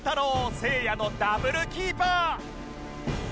せいやのダブルキーパー！